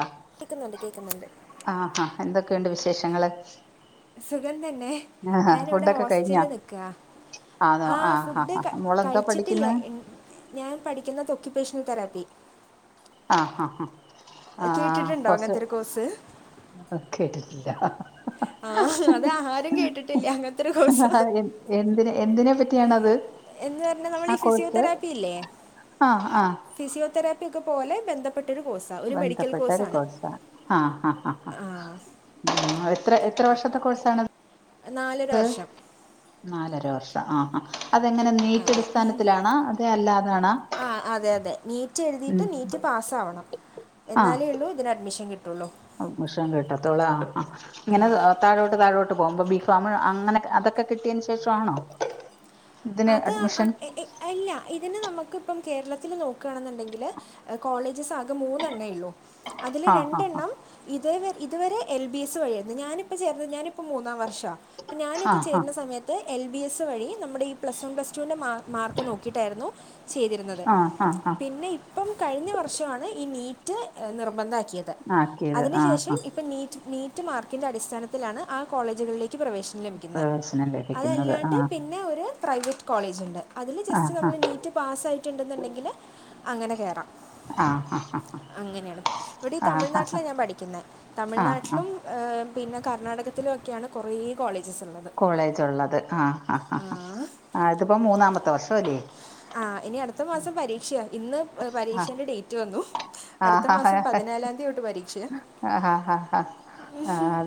ആ കേക്കുന്നുണ്ട് കേക്കുന്നുണ്ട് ആഹാ എന്തൊക്കെയുണ്ട് വിശേഷങ്ങള് സുഖം തന്നെ ആഹാ ഞാനിവിടെ ഫുഡൊക്കെ കഴിഞ്ഞോ ഹോസ്റ്റലില് നിക്ക ആണോ ആഹ് ആഹാ ഫുഡ് ഹാ ക ഹാ മോളെന്താ കഴിച്ചിട്ടില്ല പഠിക്കുന്ന് ഇ ഞാൻ പഠിക്കുന്നത് ഒക്കിപ്പേഷണൽ തെറാപ്പി ആഹ് ഹ ഹ ആഹ് കേട്ടിട്ടുണ്ടോ കൊറച്ച് അങ്ങനത്തെ ഒരു കോഴ്സ് കേട്ടിട്ടില്ല ആഹ് അത ആരും കേട്ടിട്ടില്ല അങ്ങ എ എന്തിനെ എന്തിനെ പറ്റിയാണത് എന്ന് പറഞ്ഞാ നമ്മൾ ആ ഈ കോഴ്സ് ഫിസിയോതെറാപ്പിയില്ലേ ആഹ് ആഹ് ഫിസിയോതെറപ്പി ഒക്കെ പോലെ ബന്ധപ്പെട്ടൊരു കോഴ്സ് ബന്ധപ്പെട്ടൊരു കോഴ്സ ആഹ് ഹ ഹ ഹ ആ ഉം എത്ര എത്ര വർഷത്തെ കോഴ്സണത് നാലര വർഷം നാലര വർഷം ആഹ് ആഹ് അതെങ്ങനെ നീറ്റ് അതെ അടിസ്ഥാനത്തിലാണാ അതെ അല്ലാതണാ റ്റ് എഴുതിയിട്ട് നീറ്റ് പാസാവണം ആഹ് എന്നാലേ ഉള്ളൂ ഇതിന് അഡ്മിഷൻ കിട്ടുള്ളൂ അഡ്മിഷൻ കിട്ടത്തോള് ആഹ് ആഹ് ഇങ്ങനെ താഴോട്ട് താഴോട്ട് പോകുമ്പോ ബീഫാമ് അങ്ങനെ അതൊക്കെ കിട്ടിയതിന് ശേഷണോ ഇതിന് അഡ്മിഷൻ ഇല്ല ഇതിന് നമുക്കിപ്പം കേരളത്തില് നോക്കാണെന്നുണ്ടെങ്കില് കോളേജസ് ആകെ മൂന്നെണ്ണയുള്ളൂ അതില് ആ ആ രണ്ടെണ്ണം ഇതേവ ഇതുവരെ എൽ ബി എസ് വഴിയായിരുന്നു ഞാനിപ്പ ചേർന്ന ഞാനിപ്പോ മൂന്നാം വർഷ അപ്പൊ ആ ഞാനൊക്കെ ചേരുന്ന ആ സമയത്ത് എൽ ബി എസ് വഴി നമ്മുടെ പ്ലസ് വൺ പ്ലസ് ടുവിൻ്റെ മാ മാർക്ക് നോക്കിയിട്ടായിരുന്നു ചെയ്തിരുന്നത് ആ ആ ആ പിന്നെ ഇപ്പം കഴിഞ്ഞ വർഷമാണ് ഈ നീറ്റ് നിർബന്ധാക്കിയത് ആക്കിയത് ആ അതിനുശേഷം ആ ഇപ്പ നീറ്റ് നീറ്റ് മാർക്കിന്റെ അടിസ്ഥാനത്തിലാണ് ആ കോളേജുകളിലേക്ക് പ്രവേശി ലഭിക്കുന്നെ പ്രവേശനം ലഭിക്കുന്നത് ആ അതല്ലാണ്ട് പിന്നെ ഒരു പ്രൈവറ്റ് കോളേജ്ണ്ട് അതില് ആ ജസ്റ്റ് ആ നമ്മള് നീറ്റ് പാസായിട്ടുണ്ടെന്നുണ്ടെങ്കില് അങ്ങനെ കേറാം ആ ആ അങ്ങനെയാണ് ഇവിടെ ഈ ആ തമിഴ്നാട്ടിലാണ് ഞാൻ പഠിക്കുന്നെ ആ ആ ആ തമിഴ്നാട്ടിലും ഏഹ് പിന്നെ കർണാടകത്തിലൊക്കെയാണ് കൊറെ കോളേജസ് ഉള്ളത് കോളേജ് ഉള്ളത് ആഹ് ആ ആ ആ ആഹ് ഇതിപ്പോ മൂന്നാമത്തെ വർഷം അല്ലേ ആഹ് ഇനി അടുത്ത മാസം പരീക്ഷ ഇന്ന് ആ പരീക്ഷന്റെ ഡേറ്റ് വന്നു ആ അടുത്ത ആ മാസം പതിനാലാതി തൊട്ട് പരീക്ഷയ ആ ഹ ഹ ഹ ആഹ്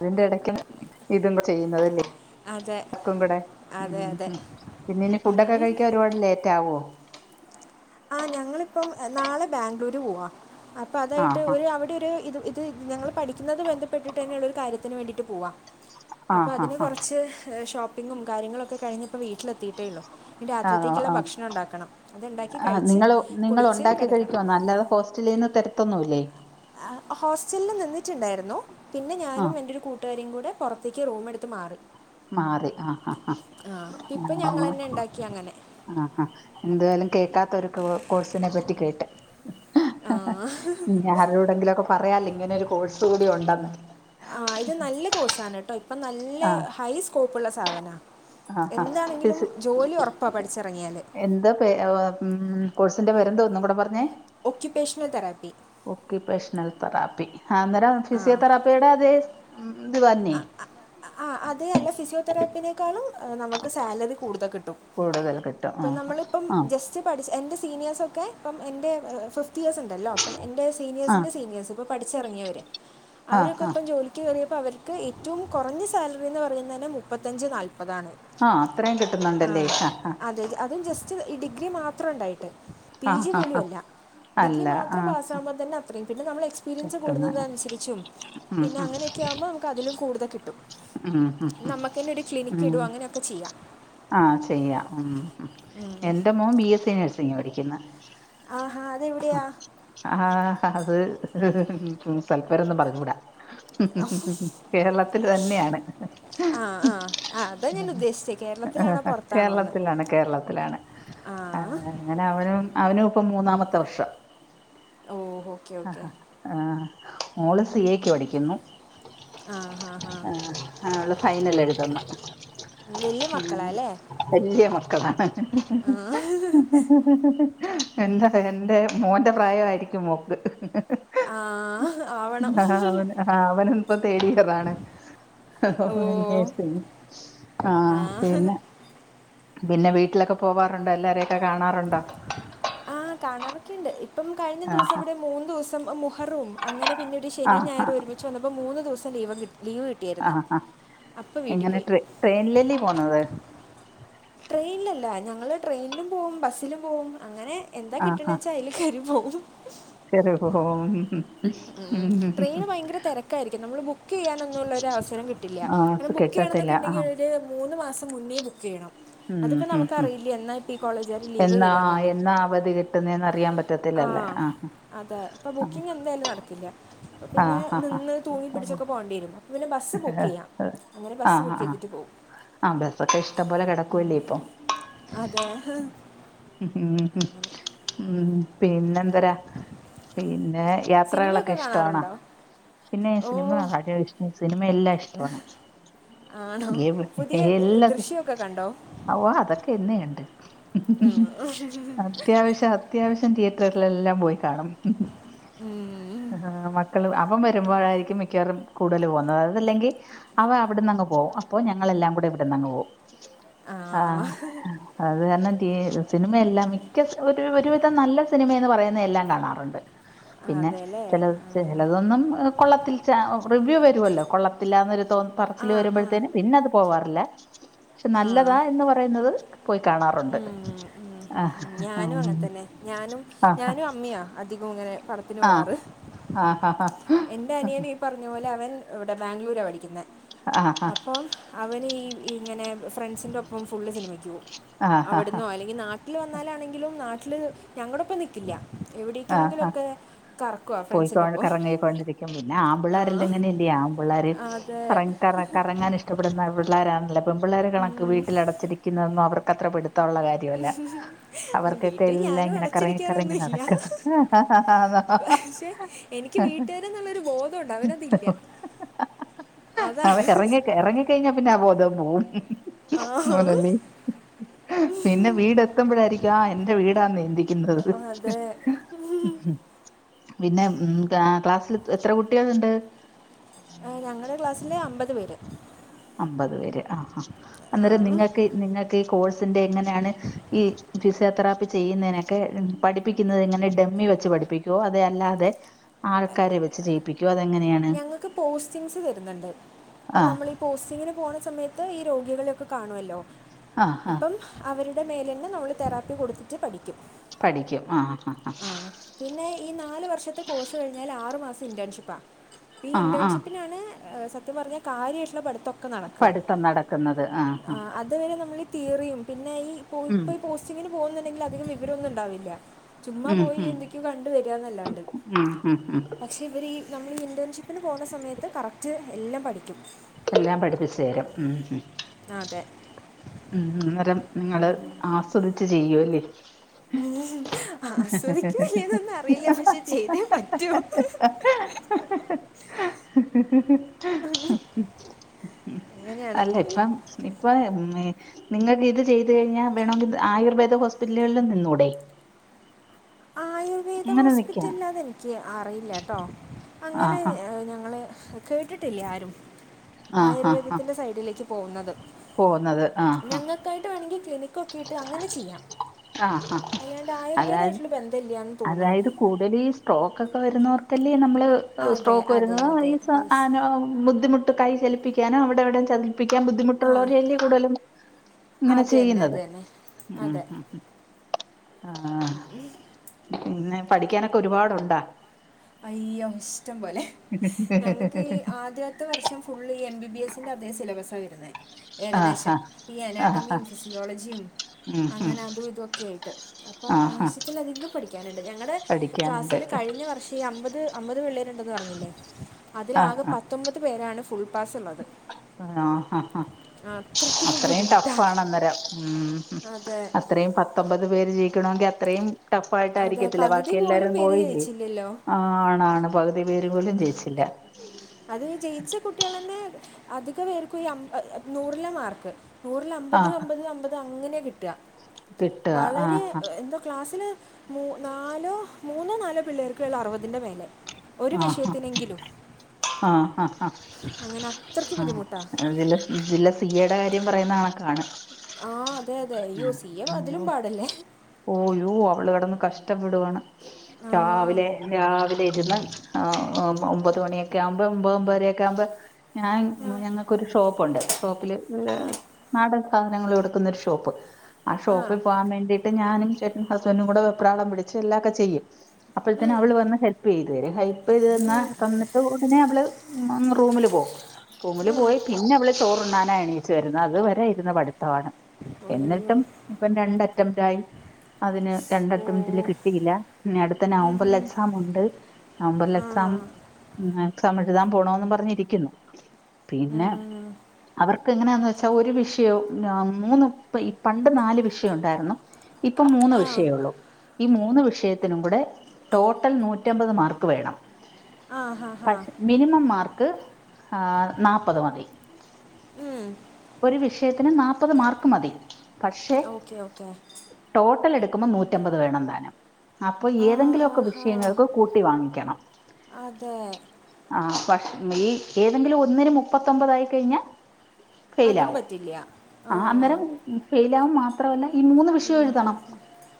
അതിന്റെ ഇടയ്ക്കും ഇതും ചെയ്യുന്നതല്ലേ അതെ ക്കും കൂടെ ഉം അതെ അതെ ഉം പിന്നെനി ഫുഡൊക്കെ കഴിക്കാൻ ഒരുപാട് ലേറ്റ് ആവോ ആഹ് ഞങ്ങളിപ്പം നാളെ ബാംഗ്ലൂര് പോവാ അപ്പൊ അതായിട്ട് ആഹ് ഒരു അവിടെ ഒരു ഇത് ഇ ത് ഞങ്ങള് പഠിക്കുന്നത് ബന്ധപ്പെട്ടിട്ട് തന്നെ ഉള്ള ഒരു കാര്യത്തിന് വേണ്ടിയിട്ട് പോവാ അപ്പൊ ആഹ് ആഹ് അതിന് ആഹ് കൊറച്ച് ഷോപ്പിങ്ങും കാര്യങ്ങളൊക്കെ കഴിഞ്ഞിപ്പം വീട്ടിലെത്തി ട്ടേള്ളു ഇനി ആഹ് ആഹ് രാത്രിത്തേക്കുള്ള ആഹ് ഭക്ഷണണ്ടാക്കണം അത്ണ്ടാക്കി ആഹ് നിങ്ങള് നിങ്ങളുണ്ടാക്കി കഴിയ്ക്കുവാന്നൊ അല്ലാതെ ഹോസ്റ്റലീന്ന് തരത്തൊന്നൂല്ലേ അഹ് ഹോസ്റ്റൽല്ല് നിന്നിട്ടുണ്ടായിരുന്നു പിന്നെ ഞാനും ആഹ് എൻ്റൊരു കൂ ട്ടുകാരിം കൂടെ പൊറത്തേക്ക് റൂമെടുത്ത് മാറി മാറി അഹ് അഹ് അഹ് ആ ഇപ്പം ഞങ്ങൾ അങ്ങനെ തന്നെ ഉണ്ടാക്കി അങ്ങനെ ആഹ് ഹാ എന്തായാലും കേക്കാത്തൊരു കോഴ്സിനെ പറ്റി കേട്ട് ഇഞ് ആരോടെങ്കിലു ഒക്കെ പറയാലൊ ഇങ്ങനെ ഒരു കോഴ്സ് കൂടി ഉണ്ടെന്ന് ആഹ് ഇത് നല്ല കോഴ്സണ് ട്ടോ ഇപ്പം നല്ല ആഹ് ഹൈ സ്കോപ്പ്ള്ള സാധനാ ആഹ് ആഹ് എന്താണെങ്കിലും ഫിസി ജോലി ഒറപ്പാ പഠിച്ചെറങ്ങിയാല് ക്ക്‌ അഹ് അ പം കോഴ്സിന്റെ പേരെന്താ ഒന്നും കൂടെ പറഞ്ഞേ ഒക്യുപേഷണൽ തെറാപ്പി ഒക്യുപേഷണൽ തെറാപ്പി ആഹ് അന്നേരം ആ ഫിസിയോതെറാപ്പിയുടെ അതേ ഇത് തന്നെ ആഹ് അഹ് അത് അല്ല ഫിസിയോതെറാപ്പിനേക്കാളും നമുക്ക് സാലറി കൂടുതൽ കിട്ടും കൂടുതല് കിട്ടും അഹ് ആഹ് ച്ച് പഠിച്ച് എന്റെ സീനിയേഴ്സൊക്കെ ഇപ്പം എന്റെ ഫിഫ്ത്ത് ഇയേഴ്സ്ണ്ട് ണ്ടല്ലോ അപ്പം എന്റെ ആഹ് സീനിയേഴ്സിന്റെ സീനിയേഴ്സ് ഇപ്പ പഠിച്ചെറങ്ങിയവര് ആഹ് അവരൊക്കെ ആഹ് ഇപ്പ ജോലിക്ക് കേറിയപ്പം അവര് ക്ക് ഏറ്റവും കൊറഞ്ഞ സാലറി എന്ന് പറയുന്നേന്നെ മുപ്പത്തഞ്ച് നാല്പ്പതാണ് ആഹ് അത്രയും കിട്ടുന്നുണ്ടല്ലേ അഹ് അഹ് സന്റേജ് അതും ജസ് റ്റ് ഈ ഡിഗ്രി മാത്രണ്ടായിട്ട് പി ആഹ് ജി ആഹ് ആഹ് ആഹ് പോലുഅല്ല ഡിഗ്രി അല്ല മാത്രം ആഹ് പാസ്സാവുമ്പം തന്നെ അ ത്രയും പിന്നെ നമ്മൾ എക്സ്പീരിയൻസ് കിട്ടുന്ന കൂടുന്നതിന് അനുസച്ചും ഉം പിന്നെ ഉം അങ്ങനെയൊക്കെ ആവുമ്പം നമുക്ക് അതിലും കൂടുതൽ കിട്ടും ഉം ഉം ഉം നമ്മക്കെന്നെ ഒരു ക്ലിനിക്ക് ഉം ഇടുവൊ അങ്ങനെയൊക്കെ ചെയ്യാം ആഹ് ചെയ്യാം ഉം എന്റെ മോൻ ബി എസ് സി നഴ്സിംഗ് പഠിയ്ക്കുന്ന് ആഹ് ഹാ അതെവിടെയാ ആഹ് അത് സ്ഥലപേരൊന്നും പറഞ്ഞൂട കേരളത്തില് തന്നെയാണ് ആ ആ ആ അതാ ഞാൻ ഉദ്ദേശിച്ചത് കേരളത്തിലാണോ കേരളത്തിലാണ് കേരളത്തിലാണ് ആഹ് അങ്ങനെ അവനും അവനും ഇപ്പം മൂന്നാമത്തെ വർഷാ ഓഹോ അഹ് അഹ് ആഹ് മോള് സി എക്ക് പഠിയ്ക്കുന്നു ആ ഹാ ഹാ ആഹ് ആഹ് അവള് ഫൈനല് എഴുതുന്നു വലിയ മക്കളാ അങ്ങനെ അല്ലേ വല്യ മക്കളാണ് എന്തറിയൊ എൻ്റെ മോന്റെ പ്രായായിരിക്കും മോക്ക് ആഹ് അവന് ആഹ് അവനും ഇപ്പം തേടിയറാണ് ഓ നഴ്‌സിംഗ് ആഹ് ആ പിന്നെ പിന്നെ വീട്ടിലൊക്കെ പോവാറുണ്ടോ എല്ലാരെയൊക്കെ കാണാറ്ണ്ടോ ആഹ് കാണാറൊക്കെയുണ്ട് ഇപ്പം കഴിഞ്ഞ ആഹ് ദിവസംവടെ മൂന്ന് ദിവസം മുഹറം ഒന്ന് അങ്ങനെ പിന്നീട് ശനീം ആഹ് ഞായറും ആഹ് ഒരുമിച്ച് വന്നപ്പം മൂന്ന് ദിവസം ലീവും കിട്ട് ലീവ് കി അഹ് അഹ് എങ്ങനെ ട്രെ ട്രെയിനിലല്യേ പോന്നത് ട്രെയിനിലല്ല ഞങ്ങള് ട്രെയിനിലും പോവും ബസ്സിലും പോവും അങ്ങനെ എന്താ കിട്ടണ്ച്ചാ അയ്ല് കേറി പോവും കേറി പോവും ഹും ഹും ഉം ട്രെയിന് ഭയങ്കര തെരക്കായിരിക്കും നമ്മള് ബുക്ക് ചെയ്യാനൊന്നുള്ള ഒരു അവസരം കിട്ടില്ല ആഹ് കാരണം ബുക്ക് ചെയ്യണം കെട്ടത്തില്ല ആഹ് ന്നൊക്കെണ്ടെങ്കില് ര് മൂന്ന് മാസം മുന്നേ ബുക്കെയ്യണം ഉം ഹും ഹും ലീവ് എന്നാ തരാമെന്നൊന്നും എന്നാ അവധി കിട്ടുന്നേ അറിയാൻ പ ആ റ്റത്തില്ലല്ലേ ആഹ് അതെ ഇപ്പ ബുക്കിംങ്ങ് എന്തായാലും നടക്കില്ല പിന്നെ ആഹ് ആഹ് നിന്ന് ആഹ് തൂങ്ങിപ്പിടിച്ചൊക്കെ പോണ്ടിരും പിന്നെ ബസ്സ് ബുക്ക് ആഹ് ചെയ്യാം അങ്ങനെ ബസ്സ് ആഹ് ബുക്ക് ആഹ് ചെയ്തിട്ട് പോവും ആഹ് ബസൊക്കെ ഇഷ്ടം പോലെ കെടക്കുല്ലേ ഇപ്പൊ അതെ ഹ പിന്നെ എന്തരാ പിന്നെ സിനിമയൊക്കെ യാത്രകളൊക്കെ ഇഷ്ടവാണോ കാണാറുണ്ടോ പിന്നെ ഓ സിനിമ അത് സിനിമ എല്ലാം ഇഷ്ടവാണ് ആണോ ഗേ പുതിയ ഏഹ്, എല്ല ദൃശ്യമൊക്കെ കണ്ടോ ഓ അതൊക്കെ എന്നെയുണ്ട് ആഹ് അത്യാവശ്യ അത്യാവശ്യം തിയേറ്ററുകളിലെല്ലാം പോയി കാണും ഉം മക്കള് അപ്പം വരുമ്പോഴായിരിക്കും മിക്കവറും കൂടുതൽ പോകുന്നത് അതല്ലെങ്കിൽ അവ അവിടന്ന്ങ്ങ് പോകും അപ്പോ ഞങ്ങളെല്ലാം കൂടെ ഇവിടന്ന്ങ്ങ് പോകവും ആ ആഹ് അത് കാരണം സിനിമ എല്ലാം മി ഒരു ഒരുവിധം നല്ല സിനിമയന്ന് പറയുന്ന എല്ലാം കാണാറുണ്ട് പിന്നെ അതെല്ലേ ച ചെല ആഹാ. ചെലതൊന്നും കൊള്ളത്തിൽ ച്ച ഓ റിവ്യൂ വരുവല്ലോ കൊള്ളത്തില്ലാന്നരു തോ ആ പറച്ചില് ആ വരുമ്പോഴതിന് പിന്നെ അത് പോവാറില്ല പക്ഷെ ആ നല്ലതാ എന്ന് പറയുന്നത് പോയി കാണാറുണ്ട് ഉം, ഉം, ഉം, ആഹ് ഉം. ഞാനും ആം അങ്ങനെ തന്നെ ഞാനും ആഹ് ആഹ് ഞാനും അമ്മയാ അധികം ഇങ്ങനെ പ ആഹ് ആഹ് ഹഹ ഹാ എൻന്റെ അനിയെ ന് പറഞ്ഞ പോലെ അവൻ ഇവിടെ ബാംഗ്ലൂര പഠിക്കുന്ന ആ ആ അപ്പം അവന് ഈ ഇങ്ങനെ ഫ്രണ്ട്സിൻന്റെറെ ഒപ്പം ഫുള്ള് സിനിമയ്ക്ക് പോവും ആഹ് ആഹ് അവിടന്നോ അല്ലെങ്കിൽ ന ട്ടില് വന്നാലാണെങ്കിലും നാട്ടിൽ ഞങ്ങളപ്പം നിക്കില്ല ആഹ് എവിടേക്കെങ്കിലുംക്കെ കറക്കവാ ഫ്രണ്ട്സിൻന്റെപ്പം പോയിക്കൊണ്ടിരിക്കും പിന്നെ ആംപിള്ളേര് ആല്ലാം ഇങ്ങനെല്ല ആംപിള്ളേര് അത് കറ കറ കറങ്ങാൻ ഇഷ് വിട പിള്ളോരണല്ല പെപിള്ളേര കണക്ക് വീട്ടില അടച്ചിരിക്കുന്നതന്നും അവർക്ക് അത്ര പിടുത്തമുള്ള കാ ര്യ വല്ല അല്ല, അവർക്കൊക്കെ വീട്ടിൽ എല്ലാം ഞാനും ഇങ്ങനെ കറങ്ങി കറങ്ങി അടച്ചിരിക്കാറൊന്നുമില്ല നടക്കണം പക്ഷെ എനിക്ക് വീട്ടുകാരന്നുള്ളരു ബോധഉണ്ട് അവനത് ഇല്ല അതാണ് കഞ്ഞ പിന്നെ ബോധം പോവും ആ [unintelligible] പിന്നെ വീട് എത്തുമ്പോഴായിരിക്കും ആഹ് എന്റെ വീടാ നീന്തിക്കുന്നത് അത് പിന്നെ ഉം കാ ക്ലാസ്സിൽ എത്ര കുട്ടികള്ണ്ട് ഞങ്ങളെ ക്ലാസ്സില് അമ്പത് പേര് അമ്പത് പേര് ആഹ് ആ ആ അന്നേരം നിങ്ങൾക്ക് നിങ്ങൾക്ക് ഈ കോഴ്സിന്റെ എങ്ങ ണ് ഈ ഫിസിയോ തറാപ്പി ചെയ്യുന്നതിനൊക്കെ പഠിപ്പിക്കുന്നത് ഇങ്ങനെ ഡെമ്മി വെച്ച് പഠിപ്പിക്കുവോ അതെ അല്ലാതെ ആൾക്കാരെ വെച്ച് ജയിപ്പികൊ അതെങ്ങനെയാണ് പോസ്റ്റിംസ് തരുന്നുണ്ട് ആ പ്പം നമ്മളി പോസ്റ്റിങ്ങിന് പോകണ സമയത്ത് ഈ രോഗികളെയൊക്കെ കാണുമല്ലോ ആ ആ അപ്പം അവരുടെ മേലേന്ന് നമ്മൾ തെറാപ്പി കൊടുത്തിട്ട് പഠിക്കും. പഠിക്കും ആഹ് ഹ ഹ ആ പിന്നെ ഈ നാല് വർഷത്തെ കോഴ്സ് കഴിഞ്ഞാൽ ആറു മാസം ഇന്റേൺഷിപ്പാ. ഇപ്പ ഈ ആ ആ ആ ഇന്റേൺഷിപ്പിനാണ് സത്യം പറഞ്ഞ കാര്യായിട്ടുള്ള പഠിത്തം. ക്ക നടക്കാ പഠിത്തം നടക്കുന്നത് ആ ആ ആഹ് അ തുവരെ നമ്മള് തിയറിയും പിന്നെ ഈ പോ ഉം ഇപ്പോൾ പോസ്റ്റിങ്ങിന് പോകുന്നുണ്ടെങ്കിൽ അധികം വിവരമൊന്നും ഉണ്ടാവില്ല. ചുമ്മാ ഉം പോയി ഉം എന്തൊക്ക്യോ കണ്ട് വരാന്നല്ലാണ്ട്. ഉം ഉം ഉം പക്ഷ് ഷെ ഇവര് ഈ നമ്മളീ ഇന്റേൺഷിപ്പിന് പോകുന്ന സമയത്ത് കറക്റ്റ് എല്ലാം പഠിക്കും. എല്ലാം പഠിപ്പിച്ചു തരും ഉംഹ് ആഹ് അതെ. ഉം അന്നേരം നിങ്ങള് ആസ്വദിച്ച് ചെയ്യു അല്ലേ. ഉം ആസ്വദിക്കുമോ ഇല്ലേന്നൊന്നും അറിയില്ല പക്ഷെ ചെയ്തേ പറ്റൂ. അങ്ങനെയാണ് അല്ല ഇപ്പം ഇപ്പ മ് നിങ്ങക്ക് ഇത് ചെയ്ത് കഴിഞ്ഞാ വേണമെങ്കി ആയുർവേദ ഹോസ്പിറ്റലുകളിലും നിന്നൂടെ? ആയുർവേദ അങ്ങനെ നിക്കാം ഹോസ്പിറ്റൽല് അതെനിക്ക് അറിയില്ലട്ടോ. ആ അങ്ങനെ ഹാ ഞങ്ങൾ കേട്ടിട്ടില്ല ആരും ആയുർവേദത്തിൻ്റെ സൈഡിലേക്ക് പോവുന്നത്. പോവുന്നത് ആഹ് ഹാ ക്കായിട്ട് വേണെങ്കി ക്ലിനിക്കൊക്കെയിട്ട് അങ്ങനെ ചെയ്യാം. ആഹ് ഹ അതായ ഇത് ബന്ധല്ല്യാന്ന് തോന്നുണു. കൂടുതലീ സ്ട്രോക്കൊക്കെ വരുന്നവർക്കല്ലേ നമ്മള് അതെ സ്ട്രോക്ക് അതെ വരുന്ന അതെ ഈ ച യെസ് [unintelligible] ബുദ്ധിമുട്ട് കൈ ചലിപ്പിക്കാനോ അവിടെ ഇവിടെ ചലപ്പിക്കാൻ ബു ദ്ധിമുട്ടുള്ളവര് അല്ലെ കൂടുതലും ഇങ്ങനെ അത് തന്നെ ചെയ്യുന്നത് അത് തന്നെ ഉഹുംഹും. ആഹ്. ഉ പിന്നെ പഠിക്കാനൊക്കെ ഒരുപാടുണ്ടാ? അയ്യ ഇഷ്ടം പോലെ ഞങ്ങക്ക് ഈ ആദ്യ ത്തെ വർഷം ഫുള്ള് ഈ എം ബി ബി എസ് ന്റെ അതേ സിലബസാ വരുന്നെ. ആഹ് ഏകദേശം ഹാ ഈ ആഹ് ഹാ അനാട്ടമിയും ഫിസിയോളജിയും ഉം ഉം അങ്ങനെ അതും ഇതൊക്കെ ആയിട്ട് അപ്പോ ആഹ് ഹാ ആവശ്യത്തിലധികം പഠിക്കാനുണ്ട് ഞങ്ങടെ പഠിക്കാനുണ്ട് ക്ലാസ്സില് കഴിഞ്ഞ വർഷ് ഷീ അമ്പത് അമ്പത് പിള്ളേരുണ്ടെന്ന് പറഞ്ഞില്ലേ ആഹ് അതിലാകെ ഹാ പത്തൊമ്പത് പേരാണ് പാസുള്ളത്. ആഹ് ഹ ഹ അത്രയും ടഫ് ബുദ്ധിമുട്ടാണ് ആണ് അന്നേരം ഉംഹും അതെ അത്രയും പ ത്തൊമ്പത് പേര് ജയിക്കണമെങ്കി അത്രയും ടഫ് അതെ ആയിട്ടായിരിക്കത്തില്ല പകുതി ബാക്കി പോലും എല്ലാരും പേര് പോയില്ലേ. ജയിച്ചില്ലല്ലോ ആണാണ് പകുതി പേര് പോലും ജയിച്ചില്ല അത് ജയിച്ച കുട്ടിയേളന്നെ അധിക പേർക്കും ഒരമ്പ നൂറിലാ മാർക്ക്. നൂറില് അമ്പത് ആഹ് അമ്പത് അമ്പത് അങ്ങനെ കിട്ടാ. കിട്ടുക ആഹ് വളരെ എന്താ ക്ലാസ്സില് മു നാലോ മൂന്നോ നാലോ പിള്ളേർക്കൊള്ളു അറുപതിന്റെ മേലെ. ഒരു ആഹ് വിഷയത്തിനെങ്കിലും. ആഹ് ഹഹ അങ്ങനെ അത്രയ്ക്ക് ആഹ് ബുദ്ധിമുട്ടാണ് എങ്കിലും വിജില സി എയുടെ കാര്യം പറയുന്ന ആക്കാണ് ആഹ് അതെ അതെ യ്യോ സി എം അതിലും പാടല്ലേ ഓയോ അവള് കിടന്ന് കഷ്ടപ്പെടുുകാണ് ആ രാവിലെ രാവിലെ ഇരുന്ന് ആഹ് ഒമ്പത് മണിയൊക്കെ ആകുമ്പോ ഒൻമ്പ ഒമ്പതരയൊക്കെ ആവുമ്പം ഞാൻ ഞങ്ങൾക്കൊരു ഷോപ്പുണ്ട് ഷോപ്പില് നാടൻ സാധനങ്ങൾ എടുക്കുന്നൊരു ഷോപ്പ് ആ ഷോപ്പിൽ പോകാൻ വേണ്ടി ഞാനും ചേട്ടൻ ഹസ്ബൻഡും കൂടെ വെപ്രാളം പിടിച്ച് എല്ലാക്കെ ചെയ്യും അപ്പോഴുതേന് അവള് വന്ന് ഹെൽപ് ചെയ്തു തരും ഹെൽപ് ചെയ്ത് തന്ന തന്നിട്ട് ഉടനെ അവള് റൂമില് പോവും റൂമിൽ പോയി പിന്നെ അവള് ചോറുണ്ണാന എണീച്ചു വരുന്നത് അതു വരെ ഇരുന്ന് പഠിത്തമാണ് അയ്യോ എന്നിട്ടും ഇപ്പം രണ്ടറ്റം [unintelligible] അതിന് രണ്ട് ഓ അറ്റെമ്പറ്റില് കിട്ടിയില്ല പിന്ന അടുത്ത ഉം നവംബറിൽ ഹും. എക്സാം ഉണ്ട് നവംബറിൽ ആ എക്സാം എക്സാം എഴുതാൻ പോണന്ന് പറഞ്ഞിരിക്കുന്നു പിന്നെ ഉം. അവർക്ക് എങ്ങനെയാന്ന് വെച്ചാ ഒരു വിഷയവും മൂന്ന് ഈ പണ്ട് നാല് വിഷയം ഉണ്ടായിരുന്നു ഇപ്പം മൂന്ന് ആ വിഷയേ ഉള്ളൂ ഈ മൂന്ന് വിഷയത്തിനും കൂടെ റ്റോട്ടൽ നൂറ്റമ്പത് മാർക്ക് വേണം ആ ഹാ ഹാ പക്ഷെ മിനിമം മാർക്ക് ആഹ് നാപ്പത് മതി ഒരു വിഷയത്തിന് നാപ്പത് മാർക്ക് മതി പക്ഷെ ഓക്കേ ഓക്കെ റ്റോട്ടൽ എടുക്കുമ്പം നൂറ്റമ്പത് വേണം താനും അപ്പൊ ഏതെങ്കിലുമൊക്കെ ആഹാഹാ വിഷയങ്ങൾ കു കൂട്ടി വാങ്ങിക്കണം അതേ ആഹ് പക്ഷേ ‌ ഈ ഏതെങ്കിലും ഒന്നിന് മുപ്പത്തൊമ്പതായിക്കഴിഞ്ഞാ ഫെയിൽ അതും ആവും പറ്റില്ല ആ ആഹ് അന്നരം ഫെയിൽ ആക മാത്രമല്ല ഈ മൂന്ന് വി വിഷയം എഴുതണം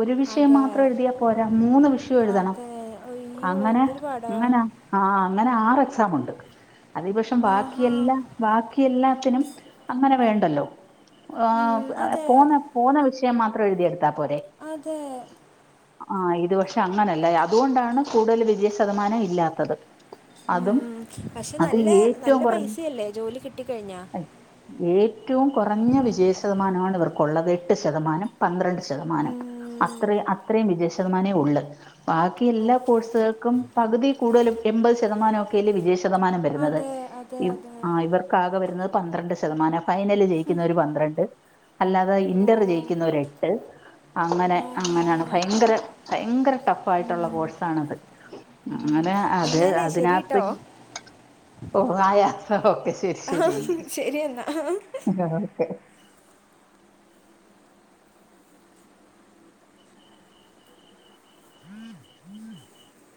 ഒരു വിഷയം അതെ മാത്രം എഴുതിയാ പോരാ മൂന്ന് വിഷയോം എഴുതണം അതെ അയ്യോ അങ്ങനെ എന്തൊരു പാടാ അങ്ങനാ ആഹ് അങ്ങനെ ആറ് എക്സാം ഉണ്ട് അതേപക്ഷം ആഹാ ബാക്കിയെല്ലാം ബാക്കി എല്ലാത്തിനും അങ്ങനെ വേണ്ടല്ലോ ഉം, ആഹ്‌ അതെ പോന്ന പോന്ന വിഷയം മാത്രം എഴുതിയെടുത്താൽ പോരെ അതെ ആഹ് ഇതുപക്ഷെ അങ്ങനല്ല അതുകൊണ്ടാണ് കൂടുതലുവിജയ ശതമാനം ഇല്ലാത്തത് അതും ഉം പക്ഷെ അത് നല്ല നല്ല ഏറ്റവും കുറഞ്ഞ പൈസ അല്ലേ ജോലി കിട്ടിക്കഴിഞ്ഞാ ഏറ്റവും കുറഞ്ഞ വിജയ ശതമാനമാണ് ഇവർക്കുള്ളത് എട്ട് ശതമാനം പന്ത്രണ്ട് ശതമാനം ഉം, അത്രെ അത്രേ വിജയ ശതമാനേ ഒള്ള് ബാക്കി എല്ലാ ഓക്കെ കോഴ്സുകൾക്കും പകുതീ കൂടുതലും എമ്പത് ശതമാനൊക്കെ [unintelligible] വിജയ ശതമാനം വരുന്നത് അതെ അതെ ഇവ അതെ ഇവർക്കാകെ വരുന്നത് പന്ത്രണ്ട് ശതമാനം ഫൈനലു ജയിക്കുന്നവര് പന്ത്രണ്ട് അല്ലാതെ ഓ ഇന്റർ ജയിക്കുന്നോര് എട്ട് എട്ട് അങ്ങനെ ആഹാഹാ അങ്ങനെയാണ് ഭയങ്കര ഭയങ്കര ടഫായിട്ടുള്ള കോഴ്സാണത് അങ്ങനെ അത് എന്നാലേ ശരി അതിനാത്തെ കേട്ടോ ഓഹ് ആയാ ഓക്കെ ശരി എങ്കി ശരി എന്നാ ഓക്കെ [inaudible]